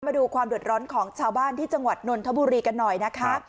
มาดูความเดือดร้อนของชาวบ้านที่จังหวัดนนทบุรีกันหน่อยนะคะ